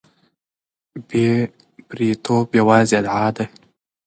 بې پرېتوب یوازې ادعا ده.